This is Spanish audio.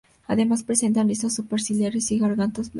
Además presenta listas superciliares y garganta blancas.